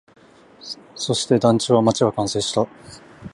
そして、団地は、街は完成した